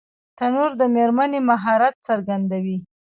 تنور د مېرمنې مهارت څرګندوي